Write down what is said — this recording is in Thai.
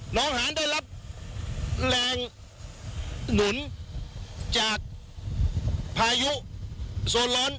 น้องหานได้รับแรงหนุนจากพายุโซนร้อน